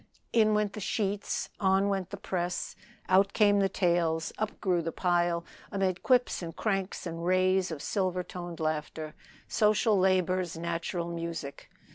In went the sheets, on went the press, out came the tales, up grew the pile, amid quips and cranks and rays of silver toned laughter, social labor's natural music.